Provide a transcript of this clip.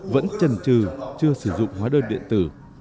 vẫn trần trừ chưa sử dụng hóa đơn điện tử